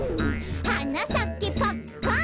「はなさけパッカン